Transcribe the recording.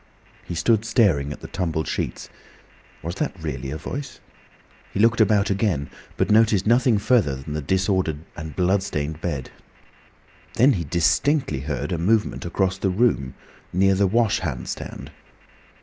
He stood staring at the tumbled sheets. Was that really a voice? He looked about again, but noticed nothing further than the disordered and blood stained bed. Then he distinctly heard a movement across the room, near the wash hand stand.